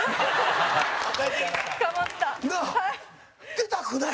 出たくない？